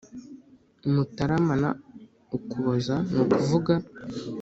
mutarama na ukuboza , ni ukuvuga